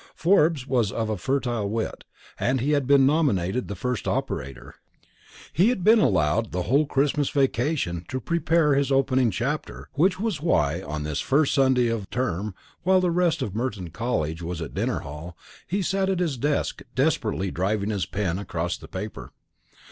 Forbes was of a fertile wit, and he had been nominated the first operator. He had been allowed the whole Christmas vacation to prepare his opening chapter; which was why on this first Sunday of term while the rest of Merton College was at dinner in hall, he sat at his desk desperately driving his pen across the paper.